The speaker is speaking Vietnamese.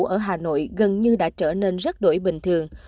ở hà nội gần như đã trở nên rất đổi bình thường